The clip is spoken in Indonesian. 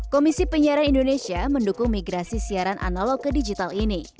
komisi penyiaran indonesia mendukung migrasi siaran analog ke digital ini